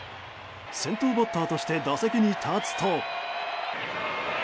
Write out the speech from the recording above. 先頭バッターとして打席に立つと。